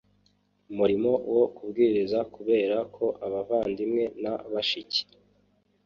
murimo wo kubwiriza kubera ko abavandimwe na bashiki